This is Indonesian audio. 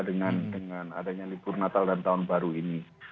dengan adanya libur natal dan tahun baru ini